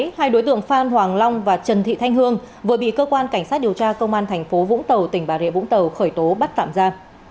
hai đối tượng phan hoàng long và trần thị thanh hương vừa bị cơ quan cảnh sát điều tra công an thành phố vũng tàu tỉnh bà rịa vũng tàu khởi tố bắt tạm ra